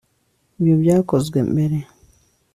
ibyo byakozwe mbere